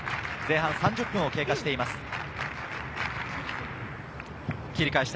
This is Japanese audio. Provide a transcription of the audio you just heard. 前半３０分を経過しています。